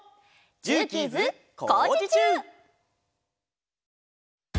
「ジューキーズこうじちゅう！」。